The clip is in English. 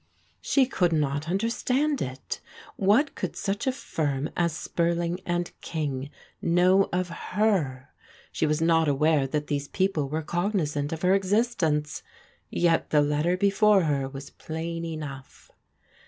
She could not understand it. What could such a firm as Spurling and King know of her? She was not aware that these people were cognizant of her existence ; yet the letter before her was plain enough.